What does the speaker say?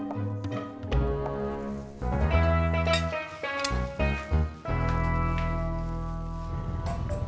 bisa tunggu sebentar kan bang